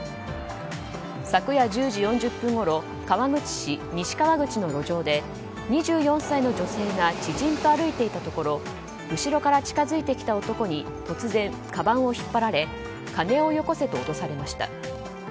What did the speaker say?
昨夜１０時４０分ごろ川口市西川口の路上で２４歳の女性が知人と歩いていたところ後ろから近付いてきた男に突然かばんを引っ張られ金をよこせと脅されました。